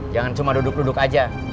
jangan cuma duduk duduk aja